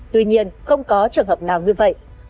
tuy nhiên không có trường hợp nào như vậy